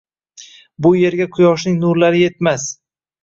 Bu yerga quyoshning nurlari yetmas.